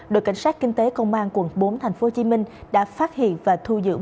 đội cảnh sát kinh tế công an quận bốn tp hcm đã phát hiện và thu giữ